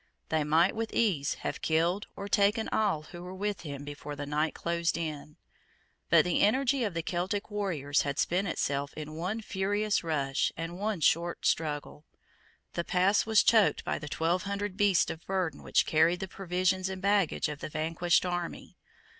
They might with ease have killed or taken all who were with him before the night closed in. But the energy of the Celtic warriors had spent itself in one furious rush and one short struggle. The pass was choked by the twelve hundred beasts of burden which carried the provisions and baggage of the vanquished army.